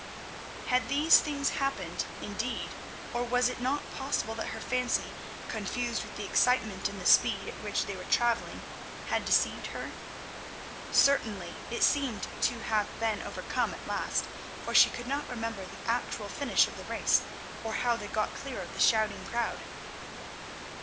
Had these things happened, indeed, or was it not possible that her fancy, confused with the excitement and the speed at which they were travelling, had deceived her? Certainly it seemed to have been overcome at last, for she could not remember the actual finish of the race, or how they got clear of the shouting crowd.